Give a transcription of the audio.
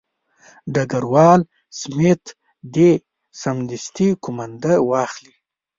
ډګروال سمیت دې سمدستي قومانده واخلي.